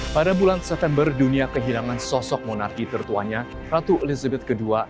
pada bulan september dunia kehilangan sosok monarki tertuanya ratu elizabeth ii